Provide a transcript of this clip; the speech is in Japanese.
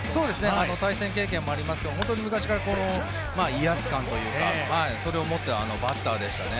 対戦経験もありますが昔から威圧感というかそれを持ってるバッターでしたね。